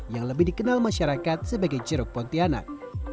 yang lebih dikenal masyarakat sebagai jeruk pontianak